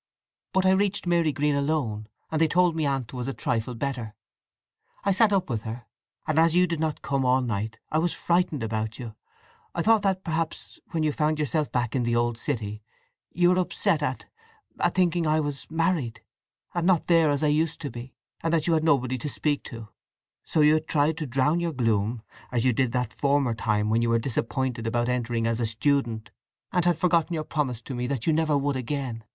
But I reached Marygreen alone, and they told me Aunt was a trifle better. I sat up with her, and as you did not come all night I was frightened about you—I thought that perhaps, when you found yourself back in the old city, you were upset at—at thinking I was—married, and not there as I used to be; and that you had nobody to speak to; so you had tried to drown your gloom—as you did at that former time when you were disappointed about entering as a student, and had forgotten your promise to me that you never would again.